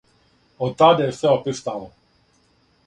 Од тада је све опет стало.